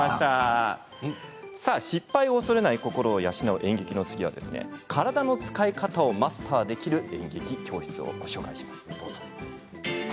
失敗を恐れない心を養う演劇の次は体の使い方をマスターできる演劇教室をご紹介します。